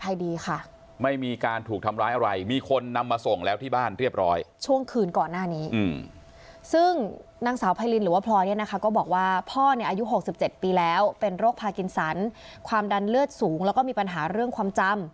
อยู่ที่ราชบุรีนี่แหละค่ะ